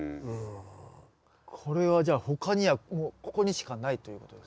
これはじゃあ他にはここにしかないということですか？